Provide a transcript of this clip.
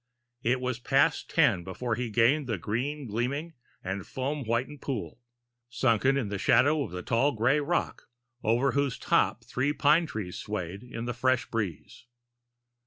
It was past ten before he gained the green gleaming and foam whitened pool, sunk in the shadow of a tall gray rock over whose flat top three pine trees swayed in the fresh breeze.